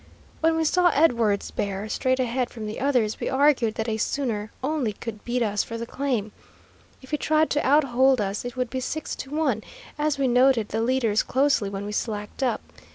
When we saw Edwards bear straight ahead from the others, we argued that a sooner only could beat us for the claim. If he tried to out hold us, it would be six to one, as we noticed the leaders closely when we slacked up.